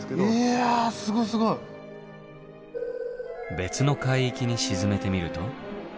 別の海域に沈めてみると。